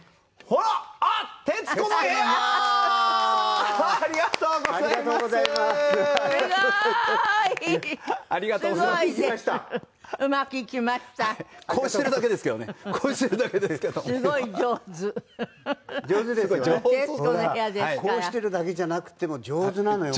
ほらこうしているだけじゃなくても上手なのよ